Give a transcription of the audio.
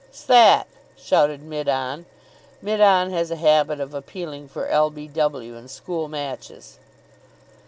"'S that?" shouted mid on. Mid on has a habit of appealing for l. b. w. in school matches.